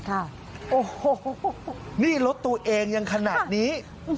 โอ้โหนี่รถตัวเองยังขนาดนี้